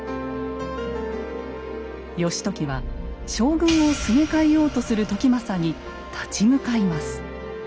義時は将軍をすげ替えようとする時政に立ち向かいます。